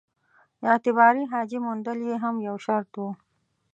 اعتباري حاجي موندل یې هم یو شرط وو.